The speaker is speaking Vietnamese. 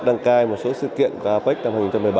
đăng cai một số sự kiện apec năm hai nghìn một mươi bảy